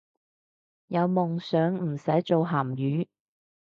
有夢想唔使做鹹魚